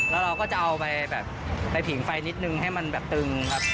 แล้วเราก็จะเอาไปแบบไปผิงไฟนิดนึงให้มันแบบตึงครับ